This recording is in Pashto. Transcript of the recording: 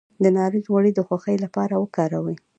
د نارنج غوړي د خوښۍ لپاره وکاروئ